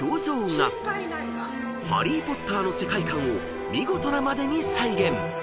［『ハリー・ポッター』の世界観を見事なまでに再現］